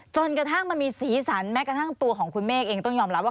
จนกระทั่งมันมีสีสันแม้กระทั่งตัวของคุณเมฆเองต้องยอมรับว่า